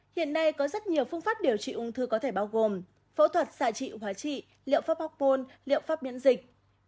hiện nay có rất nhiều phương pháp điều trị ung thư có thể bao gồm phẫu thuật xạ trị hóa trị liệu pháp ocpol liệu pháp miễn dịch